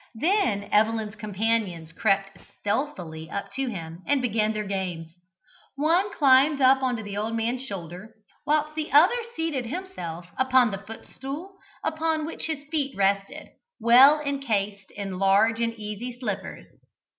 Then Evelyn's companions crept stealthily up to him and began their games. One climbed up on to the old man's shoulder, whilst the other seated himself upon the footstool upon which his feet rested, well encased in large and easy slippers.